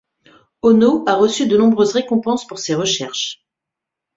Ono a reçu de nombreuses récompenses pour ses recherches.